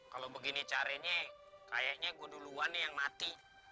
kalau begini caranya kayaknya gue duluan yang mati